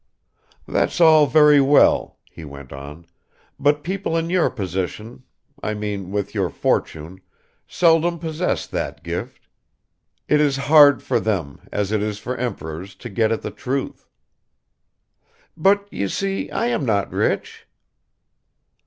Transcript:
"That's all very well," he went on; "but people in your position I mean with your fortune, seldom possess that gift; it is hard for them, as it is for emperors, to get at the truth." "But, you see, I am not rich."